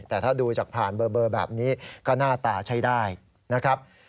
แต่ถ้าดูจากผ่านเบอร์แบบนี้ก็หน้าตาใช้ได้นะครับ